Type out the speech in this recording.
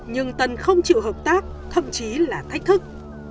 nhưng tân không chịu hợp tác thậm chí là thách thức